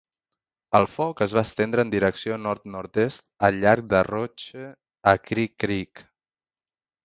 El foc es va estendre en direcció nord-nord-est, al llarg de Roche A Cri Creek.